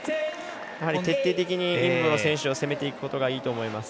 徹底的に尹夢ろ選手を攻めていくことがいいと思います。